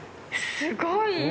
すごい家。